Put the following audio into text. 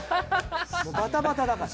バタバタだから。